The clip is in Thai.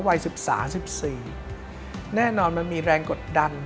วัย๑๓๑๔แน่นอนมันมีแรงกดดัน